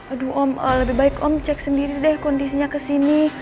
aduh om lebih baik om cek sendiri deh kondisinya kesini